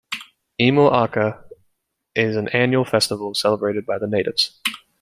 Imo-Awka is an annual festival celebrated by the natives.